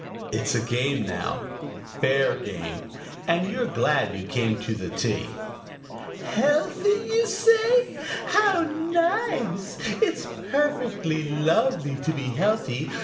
It's a game now fair game and you're glad you came to the tea! "Healthy, you say? How nice. It's perfectly lovely to be healthy.